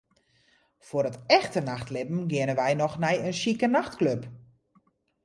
Foar it echte nachtlibben geane wy noch nei in sjike nachtklup.